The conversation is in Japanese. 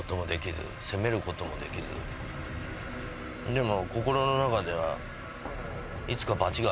でも。